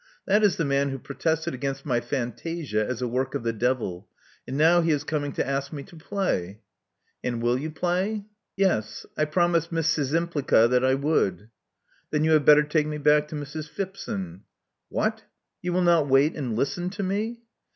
That is the man who protested against my fantam as a work of the devil; and now he is coming to ask me to play." •'And will you play?" ••Yes. I promised Miss Szcz3rmpl]fa that I wouUL" ••Then you had better take me back to Mrs. Phipson." ••What! You will not wait and listen to me?"